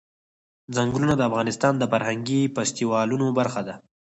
ځنګلونه د افغانستان د فرهنګي فستیوالونو برخه ده.